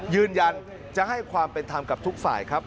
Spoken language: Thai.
ยืนยันจะให้ความเป็นธรรมกับทุกฝ่ายครับ